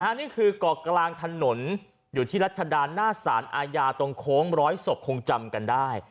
นี่คือเกาะกลางถนนอยู่ที่รัชดาหน้าสารอาญาตรงโค้งร้อยศพคงจำกันได้